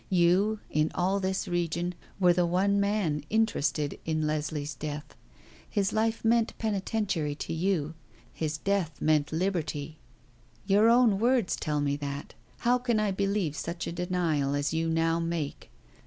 You, in all this region, were the one man interested in Leslie's death. His life meant penitentiary to you; his death meant liberty. Your own words tell me that. How can I believe such a denial as you now make?